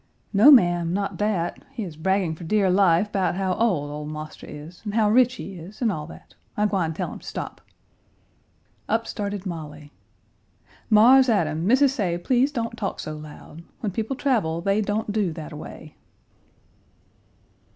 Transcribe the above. "No, ma'am, not that. He is bragging for dear life 'bout how ole ole marster is and how rich he is, an' all that. I gwine tell him stop." Up started Molly. "Mars Adam, Missis say please don't talk so loud. When people travel they don't do that a way."